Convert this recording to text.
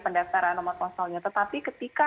pendaftaran nomor konsolnya tetapi ketika